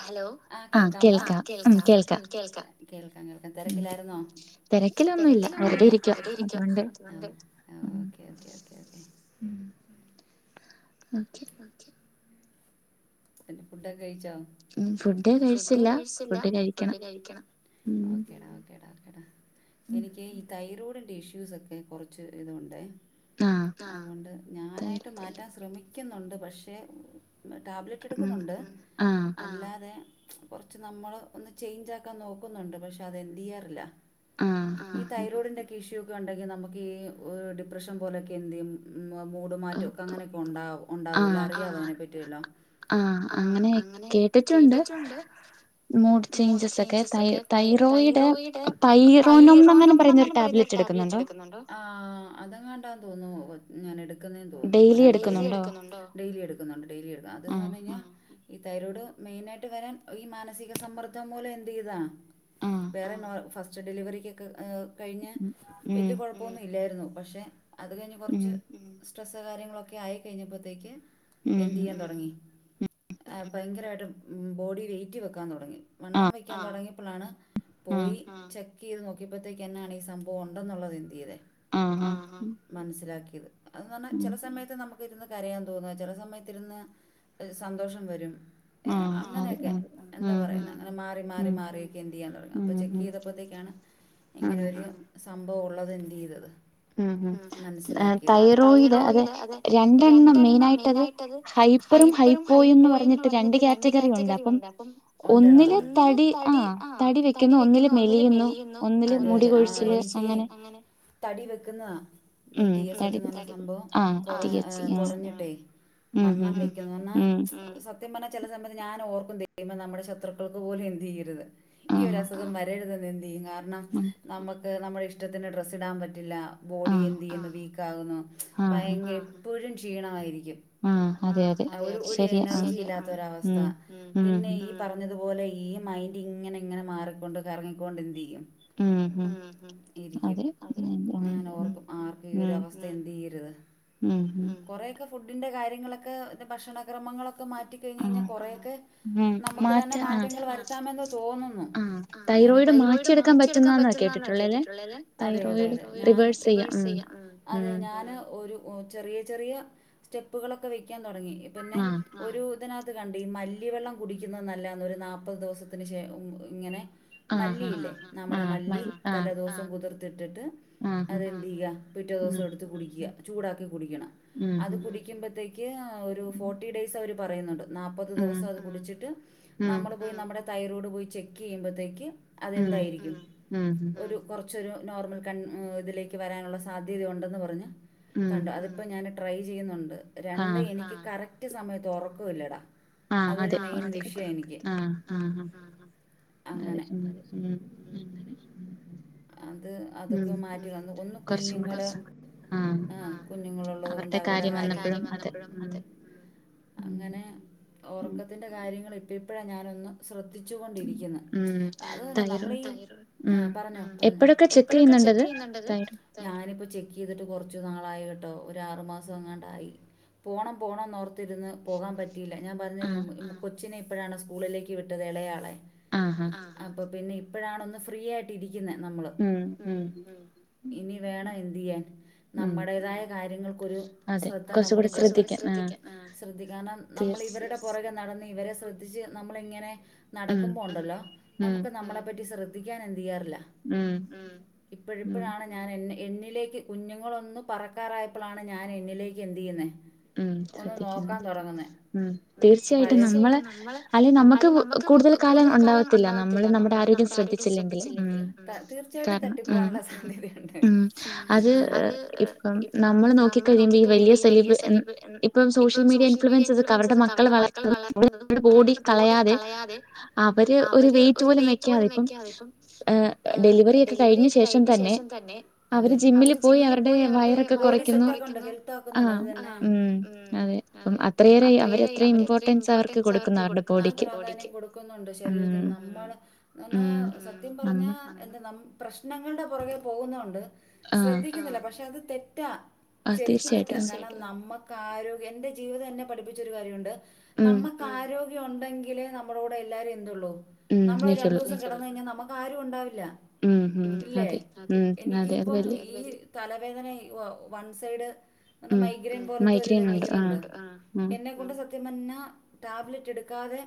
Hello ആ കേക്കാമോ കേൾക്കാം കേൾക്കാം തിരക്കിലായിരുന്നോ തിരക്കിലൊന്നുല്ല വെറുതെരിക്കാ ഒക്കെ ഒക്കെ ഉം ഒക്കെ ഓക്കെ പിന്നെ ഫുഡൊക്കെ കഴിച്ചോ ഫുഡ് കഴിച്ചില്ല ഫുഡ് കഴിക്കണം എനിക്ക് ഈ തൈറോയ്ഡിന്റെ ഇഷ്യൂസ് ഒക്കെ കുറച്ച് ഇതുണ്ട് ആ ഉണ്ട് ഞാനായിട്ട് മാറ്റാൻ ശ്രമിക്കുന്നുണ്ട് പക്ഷേ ടാബ്ല എടുക്ക്ന്നുണ്ട് അല്ലാതെ കൊറച്ച് നമ്മള് ഒന്ന് ചേഞ്ച് ആക്കാൻ നോക്കുന്നുണ്ട് പക്ഷെ അത് എന്ത്യ്യാറില്ല ഈ തൈറോയ്ഡിന്റെ ഒക്കെ ഇഷ്യൂ ഒക്കെ ഉണ്ടെങ്കിൽ നമുക്ക് ഈ ഡിപ്രഷൻ പോലെയൊക്കെ എന്ത് ചെയ്യും മ് മൂടുമാറ്റക്കെ അങ്ങനൊക്കെ ഉണ്ട ഉണ്ടാവൂല്ലോ അറിയാവൊ അതിനെ പറ്റിവല്ലോം ആഹ് അങ്ങനെ കേട്ടിട്ടുണ്ട് മൂഡ് ചേഞ്ചസ് ഒക്കെ തയ് തൈറോയിഡ് തൈറോനോന്ന് അങ്ങനെ പറയുന്ന ടാബ്ല ടാബ്ലെറ്റ് എടുക്കുന്നുണ്ടോ? ആ അതങ്ങാണ്ട തോന്നു ഞാൻ എടുക്കുന്നേന്ന് തോന്നു ഒരൻ. ഡെയിലി എടുക്കുന്നുണ്ടോ? ഡെയിലി എടുക്കുന്നുണ്ട് ഡെയിലി എടുക്ക അതെന്ന് പർഞ്ഞഴിഞ്ഞാ ഈ തൈരോട് മെയിനായിട്ട് വരാൻ ഈ മാനസിക സമ്മർദ്ദം മൂലം എന്ത് ചെയ്താ. വേറെ നോ ഫസ്റ്റ് ഡെലിവറിക്കൊക്കെ ഏഹ് കഴിഞ്ഞ വല്യ കൊഴപ്പൊന്നും ഇല്ലായിരുന്നു പക്ഷെ അത് കഴിഞ്ഞ് കൊർച്ച് ഉം ട്രെസ്സ് കാര്യങ്ങളൊക്കെ ആയി കഴിഞ്ഞപ്പോത്തേക്ക് എന്ത് ചെയ്യാൻ തൊടങ്ങി ആഹ് ഭയങ്കരായിട്ട് ബോഡി വെയ്റ്റ് വെക്കാൻ തൊടങ്ങി. വണ്ണം വെക്കാൻ ആഹ് തൊടങ്ങിയപ്പളാണ് പോയി ആഹ് ചെ ക്കയ്ത് നോക്കിയപ്പത്തേക്ക് എന്നെണ് ഈ സംഭവം ഉണ്ടെന്നുള്ളത് എന്തെയിത് ആഹ് ആഹ് മനസ്സിലാക്കിയത്. അഹ് ന്നർഞ്ഞാ ചെല സമയത്ത് നമുക്ക് ഇരുന്ന് കരയാൻ തോന്ന. ചെല സമയത്ത് ഇരുന്ന് സന്തോഷം വരും. ഏഹ് അങ്ങനൊക്കെ എന്താ പറയുന്ന അങ്ങനെ മാറി മാറി മാറിക്കെ എന്തയ്യാൻ തൊടങ്ങ. അപ്പൊ ചെക്ക് ചെയ്തപ്പോത്തേക്കാണ് ഇങ്ങനെ ഒരു സംഭവം ഉള്ളത് എന്തയ്തത് ഉം ഉം മൻസ്സ്ലാക്കിയത് ആഹ് തൈറോയിഡ് അതെ രണ്ടെണ്ണം മെയിനായിട്ടത് ഹയ് പ്പറും ഹൈ പോയിന്ന് പർഞ്ഞിട്ട് രണ്ട് കാറ്റഗറി ഉണ്ട് അപ്പം ഒന്നില് തടി ആഹ് തടി വെക്കുന്നു ഒന്നില് മെലിയുന്നു ഒന്നില് മുടി കൊയച്ചില് അങ്ങനെ തടി വെക്ക്ന്ന നീ ട്ടി എസ് എച്ച് ന്നർഞ്ഞ സംഭവം കൊറ ഏഹ് കൊറഞ്ഞിട്ടെ മണ്ണം വെ ർഞ്ഞാ സത്യം പർഞ്ഞാ ചെല സമയത്ത് ഞാൻ ഓർക്കും ദൈവം നമ്മുടെ ശത്രുക്കൾക്ക് പോലും എന്ത് ചെയ്യരുത് ഈ ഒരു അസുഖം വരരുതന്ന് ന്തെയ്യും കാരണം നമുക്ക് നമ്മുടെ ഇഷ്ടത്തിന് ഡ്രസ്സ് ഇടാൻ പറ്റില്ല. ബോഡി എന്തയ്യുന്നു വീക്ക ആകുന്നു ഭയങ്കര എപ്പോഴും ക്ഷീണായിരിക്കും. ആഹ് അതെ അതെ ഒരു ഒര് എനർജി ഇല്ലാത്തൊര അവസ്ഥ പിന്നെ ഈ പറഞ്ഞത് പോലെ ഈ മൈൻഡ് ഇങ്ങനെ ഇങ്ങനെ മാറിക്കൊണ്ട് കറങ്ങിക്കൊണ്ട് എന്തയ്യും. ഉം ഉം ഉം ഉം ഇരിക്കും ഞാന ഓർക്കും ആർക്ക് ഈ ഒരു അവസ്ഥ എന്തയ്യരുത് ഉം കൊറേക്കെ ഫുഡിന്റെ കാര്യങ്ങളൊക്കെ ഭക്ഷണ ക്രമങ്ങളൊക്കെ മാറ്റി കഴിഞ്ഞഴിഞ്ഞ കൊറേ ഒക്കെ നമുക്ക് തന്നെ മാറ്റങ്ങൾ വരുത്താമെന്ന് തോന്നുന്നു. ഞാനിപ്പം തൈറോയ്ഡ് മാ മാറ്റിയെടുക്കാൻ പറ്റുന്നാന്ന് എന്ന് കേട്ട്ട്ട്ള്ളേലേ? തൈറോയ്ഡ് റിവേഴ്സ് യ്യാം ഉം ഉം ഓഹ് ചെറിയ ചെറിയ സ്റ്റെപ്പുകളൊക്കെ വെക്കാൻ തൊടങ്ങി പിന്നെ ഒരു ഇതിനകത്ത് കണ്ട് ഈ മല്ലിവെള്ളം കുടിക്കുന്നേ നല്ലാ. ഒരു നാല്പ്പത് ദിവസത്തിന് ശേ ഉം ഉം ഇങ്ങനെ മല്ലിയില്ലേ നമ്മുടെ മല്ലി തല ദിവസം കുതിർത്തിട്ടിട്ട് അതെന്ത്യ്യ പിറ്റേ ദിവസം എടുത്ത് കുടിക്ക. ചൂടാക്കി കുടിക്കണം അത് കുടിക്കുമ്പത്തേ ക്കീന ഒരു ഫോർട്ടി ഡേയ്സ് അവർ പറയുന്നുണ്ട്. നാല്പ്പത് ദിവസം അത് കുടിച്ചിട്ട് നമ്മള് പോയി നമ്മുടെ തൈറോയ്ഡ് പോയി ചെക്ക് ചെയ്യുമ്പോത്തേക്ക് അതെന്തായിരിക്കും ഒരു കൊറച്ചൊരു നോർമൽ കൺ ഹ് ഇതിലേക്ക് വരാനുള്ള സാധ്യതയ ഉണ്ടെന്ന് പറഞ്ഞ് കണ്ടു അതിപ്പോ ഞാൻ ട്രൈ ചെയ്യുന്നുണ്ട് രണ്ട് എനിക്ക് കറക്റ്റ് സമയത്ത് ഒറക്കൊല്ലടാ. അതൊരു മെയിൻ ദക്ഷ്യ എനിക്ക് അങ്ങനെ അത് അതൊക്കെ മാറ്റി വന്നു ഒന്ന് കുഞ്ഞുങ്ങള് ആഹ് കുഞ്ഞുങ്ങളുള്ളത് കൊണ്ട് അവരുടെ കാര്യം വന്നപ്പൊഴും അതെ അങ്ങനെ ഒറക്കത്തിന്റെ കാര്യങ്ങൾ ഇപ്പ ഇപ്പഴാ ഞാനൊന്ന് ശ്രദ്ധിച്ചു കൊണ്ടിരിക്കുന്ന് അത് നമ്മളീ തൈറോ പറഞ്ഞോ ഇപ്പോഴൊക്കെ ചെക്ക് ചെയ്യുന്നുണ്ടത് തൈറോ ഞാനിപ്പോ ചെക്ക് ചെയ്തിട്ട് കൊറച്ചു നാളായി കേട്ടോ ഒരു ആറു മാസം എങ്ങാണ്ടായി. പോണം പോണം എന്നോർ ത്തിരുന്ന് പോകാൻ പറ്റിയില്ല ഞാൻ പറഞ്ഞിൽ കൊച്ചിനെ ഇപ്പോഴാണ് സ്കൂളിലേക്ക് വിട്ടത് ഇളയാളെ. ആഹ് അപ്പൊ പിന്നെ ഇപ്പഴാണ് ഒന്ന് ഫ്രീ ആയിട്ട് ഇരിക്കുന്ന നമ്മള് ഉം ഉം. ഇനി വേണം എന്തെയ്യാൻ നമ്മുടേതായ കാര്യങ്ങൾക്കൊരു ശ്രദ്ധ നമ്മൾ കൊറച്ചു കൂടി ശ്രെദ്ധിക്കാൻ. ആഹ് ശ്രദ്ധിക്കാരണം നമ്മള് ഇവരുടെ പൊറകെ നടന്ന് ഇവരെ ശ്രദ്ധിച്ച് നമ്മളിങ്ങനെ നടക്കുമ്പോ ഒണ്ടല്ലോ നമ്മക്ക് നമ്മളെ പറ്റി ശ്ര ദ്ധിക്കാൻ എന്തെയ്യാറില്ല ഉം ഇപ്പഴ് ഇപ്പഴാണ് ഞാൻ എന്നെ എന്നിലേക്ക് കുഞ്ഞുങ്ങളൊന്നു പറക്കാറായപ്പോളാണ് ഞാൻ എന്നിലേക്ക് എന്തു ചെയ്യുന്നേ ഉം ശ്രദ്ധിക്കുന്ന്. ഉം തീർച്ചയായിട്ടും നമ്മള് അല്ലെ നമ്മക്ക് കൂടുതൽ കാലം ഉണ്ടാവത്തില്ല നമ്മള് നമ്മുടെ ആരോഗ്യം ശ്രദ്ധി ച്ചില്ലെങ്കില് ഉം. ത തീർച്ചയായിട്ടും തട്ടിപ്പോവാനുള്ള സാധ്യതയുണ്ട്. ഇപ്പം നമ്മള് നോക്കി കഴിയുമ്പോ ഈ വലിയ സലിബ് ഉം [inaudible] ഇപ്പം സോഷ്യൽ മീഡിയ ഇൻഫ്ലുവൻസെർസ് അവരുടെ മക്കൾ വളർതുന്നതും അവർടെ ബോഡി കളയാതെ അവര് ഒരു വെയിറ്റ് പോലും വെക്കാറ് ഇപ്പം ഏഹ് ഹ് ഡെലിവറി ഒക്കെ കഴിഞ്ഞ ശേഷം തന്നെ അതെ അവര് ജിമ്മിൽ പോയി അവരുടെ ബോഡി സെറ്റ് റ്റാക്കുന്നുണ്ട് അതു തന്നെ ഉം അതെ അം അത്രയേറെ അവര് അത്ര ഇമ്പോർട്ടൻസ് അവർക്ക് കൊടു അവര്ടെ ബോഡിക്ക് കൊടുക്കുന്നുണ്ട് ശരീരത്തിന് നമ്മള് എന്നാ സത്യം പറഞ്ഞാ എന്ത് നമ്മ് പ്രശ്നങ്ങളുടെ പുറകെ പോകുന്നോണ്ട് ശ്രദ്ധിക്കുന്നില്ല പക്ഷെ അത് തെറ്റാ. ശരിക്കും വേത്യാസം കാരണം നമ്മക്ക് ആരോഗ്യം എന്റെ ജീവിതം എന്നെ പഠിപ്പിച്ച ഒരു കാര്യമുണ്ട് നമ്മക്ക് ആരോഗ്യം ഉണ്ടെങ്കിലേ നമ്മുടെ കൂടെ എല്ലാരും എന്തുള്ളൂ നമ്മള് ഒരു രണ്ടൂസം കെടന്ന് കഴിഞ്ഞാ നമുക്ക് ആരുണ്ടാവില്ല. ഉം ഇല്ലേ എനിക്കിപ്പോ ഈ തലവേദന ഈ ഓ വൺ സൈഡ് മൈഗ്രെൻ പോലത്തൊരു മൈഗ്രെൻ ഉണ്ട് എന്നെ കൊണ്ട് സത് ത്യം പറഞ്ഞ ടാബ്ലെറ്റ് എടുക്കാതെ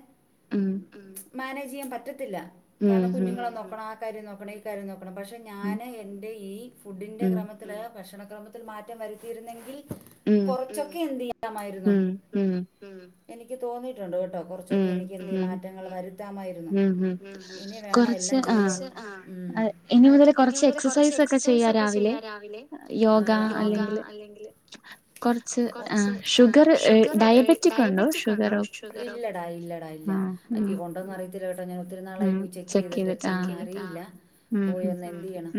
ഉം. ഉം മാനേജ് ചെയ്യാൻ പറ്റത്തില്ല കാരണം കുഞ്ഞുങ്ങളെ നോക്കണം ആ കാര്യം നോക്കണം ഈ കാര്യം നോക്കണം പക്ഷെ ഞാന് എൻ്റെ ഈ ഫുഡിൻ്റെ ക്രമത്തിൽ ഭക്ഷണ ക്രമത്തിൽ മാറ്റം വരുത്തിയിരുന്നെങ്കിൽ കൊറച്ചൊക്കെ എന്ത് ചെയ്യാമായിരുന്നു ഉം ഉം എനിക്ക് തോന്നിട്ടുണ്ട് കെട്ടോ. കൊറച്ചൊക്കെ എനിക്ക് എന്ത്‌ മാറ്റങ്ങൾ വരുത്താമായിരുന്നു ഉം ഉം ഇനി വേണം എല്ലാം ചെയ്തോ ആഹ് ഇനി മുതൽ കൊറച്ച് എക്സസൈസ് ഒക്കെ ചെയ്യാ രാവിലെ ആഹ് യോഗ. അല്ലെങ്കി കൊറച്ച് ഷുഗർ ഡയബറ്റിക് ഉണ്ടോ ഷുഗറോ? ഇല്ലടാ ഇല്ലടാ ഇല്ല ഉണ്ടൊന്ന് അറിയത്തില്ല കെട്ടോ ഞാൻ ഒത്തിരി നാളായി പോയി ചെക്ക് ചെയ്തിട്ട് ഇനി ആഹ് ഇല്ല പോയൊന്ന് ഉം ഉം എന്ത് ചെയ്യണം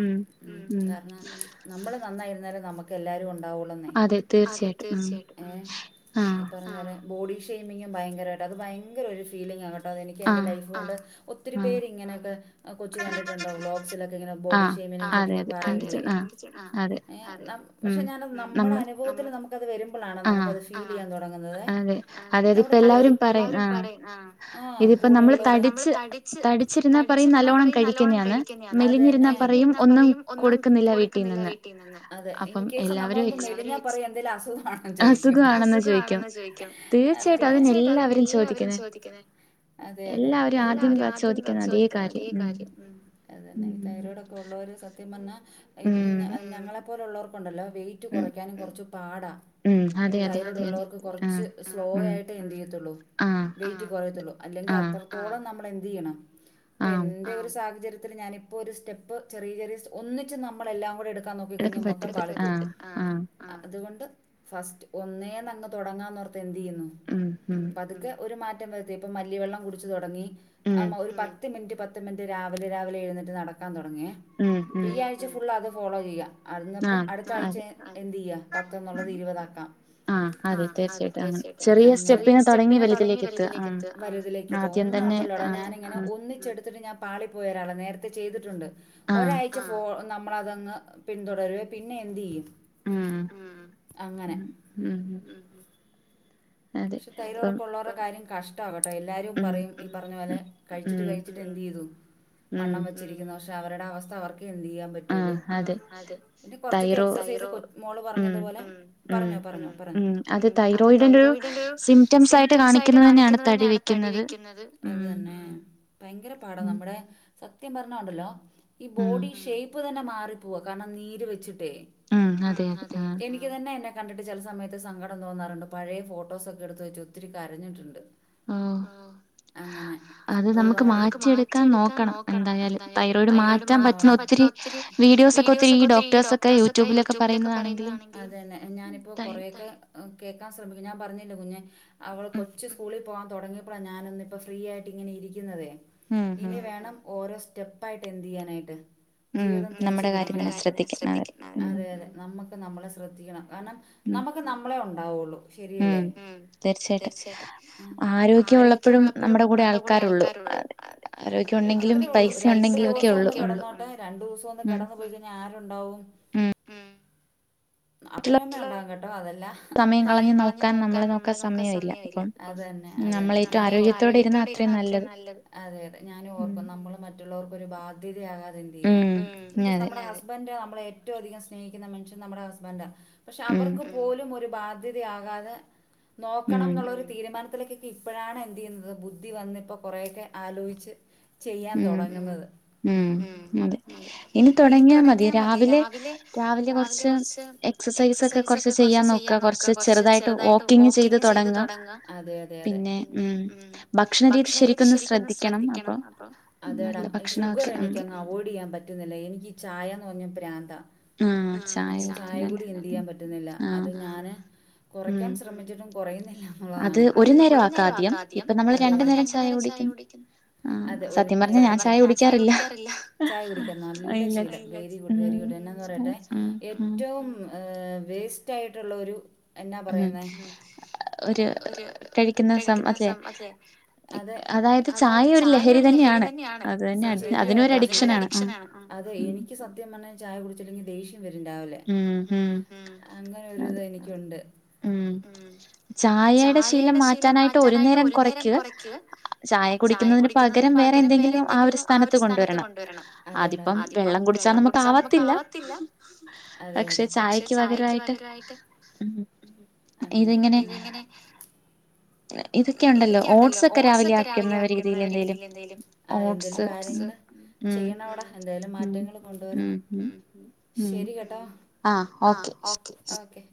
കാരണം നമ്മള് നന്നായിരുന്നേലും നമുക്ക് എല്ലാവരും ഉണ്ടാവുള്ള ന്നായി അതെ തീർച്ചയായിട്ടും ഏഹ് ഇപ്പറഞ്ഞ പോലെ ബോഡി ഷേയ്മിങ്ങും ഭയങ്കരായിട്ട് അത് ഭയങ്കര ഒരു ഫീലിംങ കെ ടാതെ എനിക്ക് എന്റെ ലൈഫോണ്ട് ഒത്തിരി പേര് ഇങ്ങനെയൊക്കെ കൊച്ച് കണ്ടിട്ടുണ്ടാവും വ്ലോഗ്സിലൊക്കെ ങ്ങനെ ബോഡി ഷെയിമിനെ ആഹ് പറ്റിയൊക്കെ ആഹ് പറയില്ലെ ആഹ് [unintelligible] പക്ഷെ ഞ നമ്മടെ [unintelligible] നമുക്കത് വരുമ്പളാണ് നമുക്കത് ഫീല് ചെയ്യാൻ തൊടങ്ങ ങ്ങുന്നതേ അതെ നമ്മള് കൂടുതലും അതിപ്പോ എല്ലാരും പറയും ആഹ് ആഹ് കൂടെയുള്ളവര് ഇപ്പൊ നമ്മള് തടി തടിച്ചിരുന്നാ പറയും നല്ലോ പറയും നല്ലോണ്ണം കഴിക്കുന്നയാന്ന് അതെന്നെ മെലിഞ്ഞിരുന്നാ പറയും ഒന്നും കൊടുക്കുന്നില്ല വീ ട്ടിനിന്ന് അതെ അപ്പൊ എല്ലാരും ഇൻ കേസ് നമ്മളൊന്ന് മെലിഞ്ഞാ പറയും എന്തെങ്കിലും അസുഖാണോന്ന് ചോയിക്കും അസുഖാ ണോന്ന് ചോയിക്കും തീർച്ചയായിട്ടും അതന്നെ എല്ലാവരും ചോദിക്കുന്നേ അതേയതേ എല്ലാവരും ആദ്യം പ ചോദിക്കുന്നതേ കാര്യം ഉം അതന്നെ ഈ തൈറോയിഡൊക്കെ ഒള്ളോര് സത്യം പറഞ്ഞാ ഉം ഞ ഞങ്ങളെപ്പോലൊള്ളോർക്കൊണ്ടല്ലോ വെയിറ്റ് കൊറയ്ക്കാനും കൊറച്ച് പാടാ ഉം അതേയതേ തൈറോഡുള്ളവർക്ക് കൊറച്ച് ഉം സ്ലോ ആയിട്ടേ എന്ത് ചെയ്യത്തുള്ളൂ ആഹ് വെയിറ്റ് കുറയത്തുള്ളൂ അല്ലെങ്കി ആഹ് അത്രത്തോളം നമ്മളെന്തിയ്യണം പ്പ എ ഒരു സാഹചര്യത്തില് ഞാനിപ്പോ ഒരു സ്റ്റെപ്പ് ചെറിയ ചെറിയ ഒന്നിച്ച് നമ്മളെല്ലാം കൂടെ എടു ക്കാൻ നോക്കി കഴിഞ്ഞാ മൊത്തം പാളി പോവും ആഹ് ആഹ് അതുകൊണ്ട് ഫസ്റ്റ് ഒന്നേന്നങ്ങ് തൊടങ്ങാന്നോർത്ത് എന്തിയ്യുന്നു ഉം ഉം പതുക്കെ ഒരു മാറ്റം വരുത്തി ഇപ്പം മല്ലി വെള്ളം കുടിച്ചു തുടങ്ങി ആഹ് ഒരു പത്ത് മിനിറ്റ് പ ത്ത് മിനിറ്റ് രാവിലെ രാവിലെ എഴുന്നേറ്റ് നടക്കാൻ തൊടങ്ങിയേ ഇപ്പോ ഈ ആഴ്ച ഫുൾ അത് ഫോളോ ചെയ്യാ [unintelligible] ന്നപ്പം ആഹ് അടുത്ത ആഴ്ച ആഹ് എന്തിയ്യാ പത്തന്നുള്ളത് ഇരുപതാക്കാം. ആഹ് അതെ തീർച്ചയായിട്ടും അങ്ങനെ അങ്ങനെ ചെറിയ സ്റ്റെപ്പിന്ന് തൊടങ്ങി വലിതിലേക്ക് എത്താ വലിതിലേ ക്കെത്താ ഒന്നുണ്ടല്ലോടാ ഞാനെ ഞാനിങ്ങനെ ഒന്നിച്ചെടു ത്തിട്ട് ഞാൻ പാളിപോയൊരാളാ നേരത്തെ ചെയ്തിട്ടുണ്ട് ഒരാഴ് ച്ച് ആഹ് ഫോ നമ്മളതങ്ങ് പിന്തുടരുക പിന്നെ എന്തിയ്യും ഉം അങ്ങനെ ഉം പക്ഷേ തൈറോയ്ഡൊക്കൊള്ളവരുടെ കാര്യം കഷ് ട്ടാ കേട്ടോ എല്ലാരും പറയും ഉം ഈ പറഞ്ഞ പോലെ കഴിച്ചിട്ട് കഴിച്ചിട്ട് ഉം എന്തെയ്തു വണ്ണം വെച്ചിരി ക്കുന്നു പക്ഷെ അവരടെ അവസ്ഥ അവർക്കേ എന്തിയ്യാൻ പ റ്റുള്ളൂ ഉം അതെ ഇനി കൊറച്ചൊക്കെ തൈറോ എക്സസൈസ് കൊ മോള് പറഞ്ഞതു പോലെ പറഞ്ഞോ പറഞ്ഞോ ഉം പറഞ്ഞോ ഉം അത് തൈറോയിഡിന്റെ ഡിന്റൊരു സിംറ്റംസായിട്ട് കാണിക്കുന്നത് തന്നെയാണ് തടി വെക്കുന്നത് അത് തന്നെ ഭയങ്കര പാടാ നമ്മുടെ സത്യം പറഞ്ഞാ ഒണ്ടല്ലോ ഈ ബോഡി ഷെയ്‌ പ്പ് തന്നെ മാറി പോവാ. കാരണം നീര് വെച്ചിട്ടേ. ഉം അതെ അതെ എനി ക്ക് തന്നെ എന്നെ കണ്ടിട്ട് ചെല സമയത്ത് സങ്കടം തോന്നാറുണ്ട്. പഴയ ഫോട്ടോസൊക്കെ എടുത്ത് വെച്ച് ഒത്തിരി കരഞ്ഞിട്ടുണ്ട്. ആഹ്. ഉം അങ്ങനെ ഒരുപാട് അത് നമുക്ക് മാറ്റിയെടുക്കാൻ നോക്കണം എന്തായാലും. അതിലൊരു മാറ്റം പ റ്റുന്ന ഒത്തിരി വീഡിയോസൊക്കെ ഒത്തിരി ഈ ഡോക്ടേസൊക്കെ യൂട്യൂബിലൊക്കെ പറയുന്നതാണെങ്കിലും. അതന്നെ ഞാനി പ്പോ കൊറേയൊക്കെ ഏഹ് കേൾക്കാൻ ശ്രമിക്കും. ഞാൻ പറഞ്ഞില്ലേ കുഞ്ഞേ അവള് കൊച്ച് സ്കൂളി പോകാൻ തൊടങ്ങിയപ്പോളാ ഞാനൊന്നിപ്പോ ഫ്രീ ആയിട്ട് ഇങ്ങനെ ഇരിക്കുന്നതേ ഇനി വേണം ഓരോ സ്റ്റെപ്പായിട്ട് എന്ത് ചെയ്യാനായിട്ട് ജീവിതം തിരിച്ചു പിടിക്കണം. നമ്മുടെ കാര്യം തന്നെ ശ്രദ്ധിക്ക് ഉം അതേയതേ നമ്മക്ക് നമ്മളെ ശ്രദ്ധിക്കണം. കാരണം നമുക്ക് നമ്മളേ ഒണ്ടാവുള്ളൂ. ശരിയല്ലേ ഉം തീർച്ചയായിട്ടും. ആരോഗ്യമുള്ളപ്പോഴും നമ്മുടെ കൂടെ ആൾക്കാ ട്ടുള്ളൂ. അതെ ആരോഗ്യ ഒണ്ടെങ്കിലും പൈസ ഉണ്ടെങ്കിലൊക്കെയുള്ളൂ അത്രേയുള്ളൂ രണ്ടു ദിവസം ഒന്ന് കെടന്നോട്ടേ രണ്ടു ദിവസം ഒന്ന് കെടന്നു പോയി കഴി ഞ്ഞാ ആരുണ്ടാവും. ഉം അപ്പനും അമ്മയും ഒണ്ടാവും കേട്ടോ അതല്ല സമയം കളഞ്ഞു നോക്കാൻ നമ്മളെ നോക്കാൻ സമയമില്ല. അത് തന്നെ അത് തന്നെ. നമ്മള് ഏറ്റവും ആരോഗ്യത്തോടെ ഇരുന്നാ അത്രയും നല്ലത്. അതെ അതെ ഞാനും ഓർക്കും നമ്മള് മറ്റുള്ളവർക്കൊരു ബാധ്യതയാകാതെ എന്ത് ചെയ്യാം ഉം ഇൻകേസ് നമ്മുടെ ഹസ് ബൻ്റ് നമ്മളെ ഏറ്റവും അധികം സ്നേഹിക്കുന്ന മനുഷ്യൻ നമ്മുടെ ഹസ്ബൻ്റാ പക്ഷെ അവർക്ക് പോലും ഒരു ബാ ധ്യതയാകാതെ നോക്കണം എന്നുളെളാരു- തീരുമാനത്തിലേക്കൊക്കെ ഇപ്പോഴാണ് എന്ത് ചെയ്യുന്നത് ബുദ്ധി വന്നിപ്പോ കൊറെയൊക്കെ ആലോചിച്ച് ചെയ്യാൻ തൊടങ്ങുന്നത്. ഉം അതെ ഇനി തൊടങ്ങിയാ മതി. രാവിലെ രാവിലെ കൊറച്ച് എ ക്സസൈസ് ഒക്കെ കൊറച്ച് ചെയ്യാൻ നോക്വാ കോറച്ച് കുറച്ച് ചെറുതായിട്ട് വോക്കിങ് ചെയ്ത് തൊടങ്ങാ അതെ അതെ അതെ പിന്നെ ഭക്ഷണരീതി ശരിക്കൊന്ന് ശ്രദ്ധിക്കണം അപ്പൊ അപ്പൊ അതെടാ. ഈ ഷുഗറെനിക്കങ്ങ് അവോയ്ഡ് ചെയ്യാൻ പ റ്റുന്നില്ല. എനിക്ക് ചായാന്ന് പറഞ്ഞാ പ്രാന്താ. ഈ ചായ കുടി എന്ത് ചെയ്യാൻ പറ്റുന്നില്ല അത് ഞാന് കുറയ്ക്കാൻ ശ്രമിച്ചിട്ടും കൊറയുന്നില്ല. അത് ഒരു നേരം ആക്കാദ്യം. ഇപ്പൊ നമ്മൾ രണ്ടു നേരം ചായ കുടിക്കുന്ന അതെ. സത്യം പറഞ്ഞാ ഞാൻ ചായ കുടിക്കാറില്ല. അതെ ഒരു നേരം ആക്കി ചായ കുടിക്കാൻ നല്ല ശീലം. വെരി ഗുഡ് വെരി ഗുഡ് എന്നാന്ന് പറയട്ടെ ഏറ്റവും വേസ്റ്റ് ആയിട്ടുള്ള ഒരു എന്നാ പറയുന്നേ ഒരു കഴിക്കുന്നസം അല്ലെ അത് അതായത് ചായ ഒരു ലഹരി ത ന്നെയാണ്. ശരിയാ അതിന് ഒരു അഡിക്ഷൻ ആണ്. അതെ എനിക്ക് സത്യം പറഞ്ഞാ- ചായ കുടിച്ചില്ലെങ്കിൽ ദേഷ്യം വരും രാവിലെ. അങ്ങനൊരു ഇത് എനിക്കുണ്ട്. ഉം ചായയുടെ ശീലം മാറ്റാനായിട്ട് ഒരു നേരം കുറയ്ക്ക് ചായ കുടിക്കുന്നതിന് പകരം വേറെ എന്തെങ്കിലും ആഹ് ഒരു സ്ഥാനത്ത് കൊണ്ടുവരണം. അതിപ്പം വെള്ളം കുടിച്ചാൽ നമു ച്ചാ നമുക്ക് ആവത്തില്ല. അതെ അതെ പക്ഷെ ചായക്ക് പകരായിട്ട് ഉം അങ്ങനെ ഇതിങ്ങനെ. ഇതൊക്കെ ഉണ്ടല്ലോ ഓട്സ് ഒക്കെ രാവിലെ ആക്കുന്ന രീതിയിൽ എന്തേലും ആഹ് എന്തേലും കാര്യങ്ങള് ചെയ്യണോ ടാ എന്തേലും മാറ്റങ്ങള് കൊണ്ടുവരണം ശരി കേട്ടോ. ആഹ് ഓക്കെ ഓക്കെ.